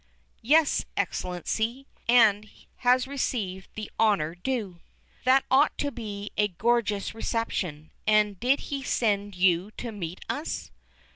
"Yes, Excellency, and has received the honour due." "That ought to be a gorgeous reception. And did he send you to meet us?"